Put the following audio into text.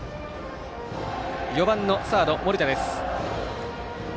４番のサード、森田です。